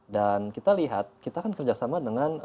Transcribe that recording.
dan kita lihat kita kan kerjasama dengan